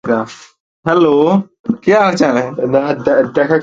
This range lies along the common border between Guyana and Brazil.